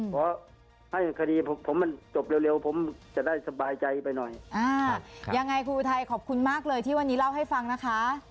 ขอให้คดีผมมันจบเร็วผมจะได้สบายใจไปหน่อยอ่ายังไงครูอุทัยขอบคุณมากเลยที่วันนี้เล่าให้ฟังนะคะ